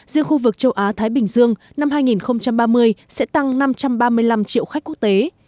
riêng khu vực châu á thái bình dương năm hai nghìn ba mươi sẽ tăng năm trăm ba mươi năm triệu khách quốc tế